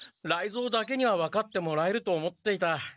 雷蔵だけにはわかってもらえると思っていた。